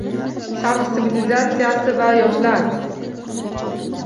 Sharq sivilizatsiyasi va yoshlar